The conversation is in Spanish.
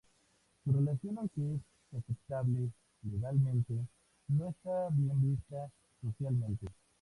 Su relación aunque es aceptable legalmente, no está bien vista socialmente.